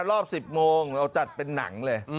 รอบ๑๐โมงเราจัดเป็นหนังเลย